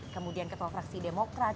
kemudian ketua fraksi demokrat